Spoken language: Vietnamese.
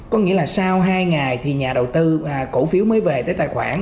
có nghĩa là sau hai ngày thì nhà đầu tư cổ phiếu mới về tới tài khoản